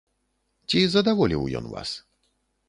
Ці задаволіў ён вас?